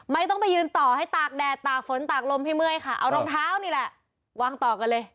ไม่ต้องไปยืนต่อให้ตากแดดตากฝนตากลมให้เมื่อยค่ะเอารองเท้านี่แหละวางต่อกันเลย